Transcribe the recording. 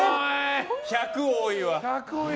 １００多いわ。